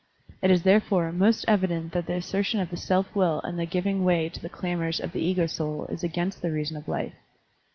It is therefore most evident that the assertion of the self will and the giving way to the clamors of the ego soul is against the reason of life.